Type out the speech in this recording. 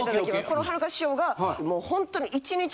そのはるか師匠がもうほんとに。